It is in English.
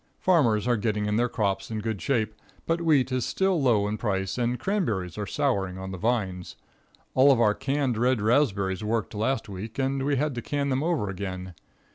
Farmers are getting in their crops in good shape, but wheat is still low in price, and cranberries are souring on the vines. All of our canned red raspberries worked last week, and we had to can them over again.